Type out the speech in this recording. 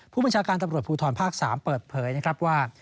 ผู้บัญชาการตำรวจภูทรภาค๓เปิดเผยนะครับว่า